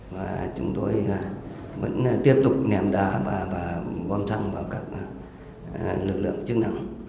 và chúng tôi vẫn tiếp tục ném đá và bom xăng vào các lực lượng chức năng